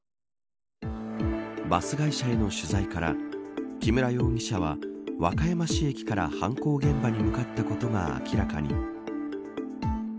バス会社への取材から木村容疑者は和歌山市駅から犯行現場に向かったことが明らかに。